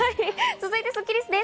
続いてスッキりすです。